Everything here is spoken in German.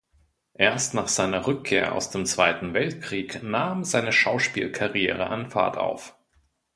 Erst nach seiner Rückkehr aus dem Zweiten Weltkrieg nahm seine Schauspielkarriere an Fahrt auf.